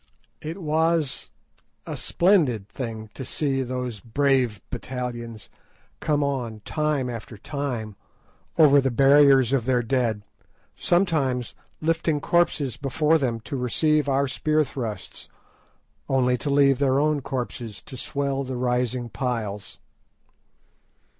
It was a splendid thing to see those brave battalions come on time after time over the barriers of their dead, sometimes lifting corpses before them to receive our spear thrusts, only to leave their own corpses to swell the rising piles.